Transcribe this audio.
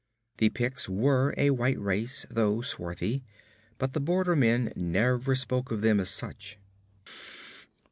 The Picts were a white race, though swarthy, but the border men never spoke of them as such.